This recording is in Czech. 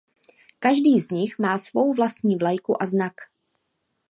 Každý z nich má svou vlastní vlajku a znak.